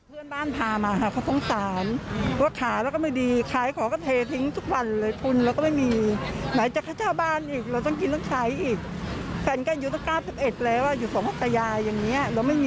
เราก็อยากเห็นเพื่อนบ้านเราก็อยากได้บ้างอย่างนี้